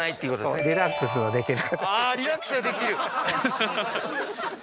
あリラックスができる！